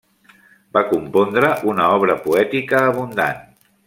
Va compondre una obra poètica abundant.